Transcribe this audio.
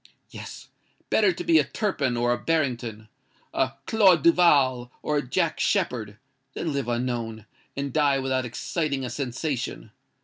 Yes:—better to be a Turpin or a Barrington—a Claude du Val or a Jack Sheppard, than live unknown, and die without exciting a sensation.